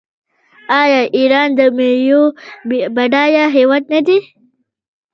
آیا ایران د میوو بډایه هیواد نه دی؟